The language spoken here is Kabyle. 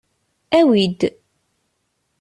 Awi-d!